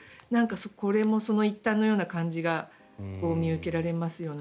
これもその一端のような感じが見受けられますよね。